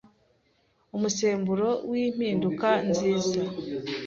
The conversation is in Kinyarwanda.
umusemburo w’impinduka nziza